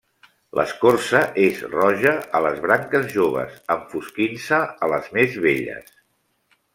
L'escorça és roja a les branques joves, enfosquint-se a les més velles.